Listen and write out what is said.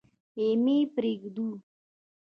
خېمې پرېږدو.